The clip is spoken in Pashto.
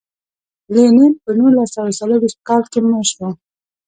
لینین په نولس سوه څلور ویشت کال کې مړ شو.